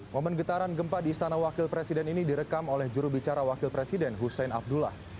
momen getaran gempa di istana wakil presiden ini direkam oleh jurubicara wakil presiden hussein abdullah